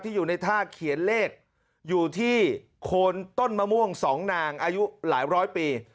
อยู่ในท่าเขียนเลขอยู่ที่โคนต้นมะม่วงสองนางอายุหลายร้อยปี